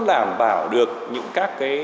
đảm bảo được những các cái